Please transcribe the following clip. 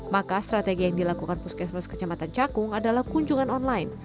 maka strategi yang dilakukan puskesmas kecamatan cakung adalah kunjungan online